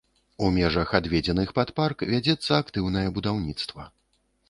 У межах, адведзеных пад парк, вядзецца актыўнае будаўніцтва.